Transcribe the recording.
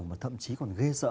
mà thậm chí còn gây sợ